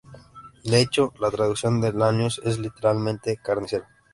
De hecho, la traducción de "Lanius" es, literalmente, "carnicero".